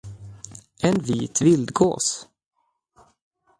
En vit vildgås!